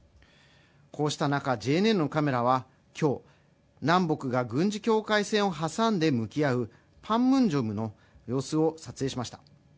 こうした中、ＪＮＮのカメラは今日南北が軍事境界線を挟んで向き合うパンムンジョムの様子を撮影しました。